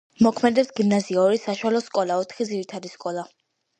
მოქმედებს გიმნაზია, ორი საშუალო სკოლა, ოთხი ძირითადი სკოლა.